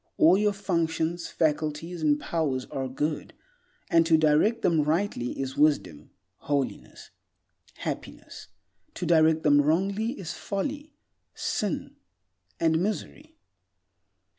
All your functions, faculties, and powers are good, and to direct them rightly is wisdom, holiness, happiness; to direct them wrongly is folly, sin, and misery.